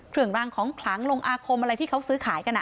เครื่องรางของขลังลงอาคมอะไรที่เขาซื้อขายกัน